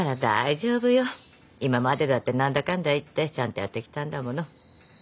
今までだって何だかんだ言ってちゃんとやってきたんだもの。